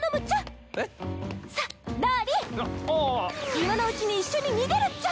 今のうちに一緒に逃げるっちゃ！